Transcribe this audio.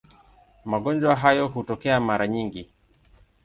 Magonjwa hayo hutokea mara nyingi.